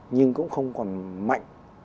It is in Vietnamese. nhưng cũng không còn mạnh